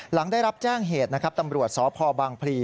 หลังได้รับแจ้งเหตุนะครับตำรวจสพบางพลี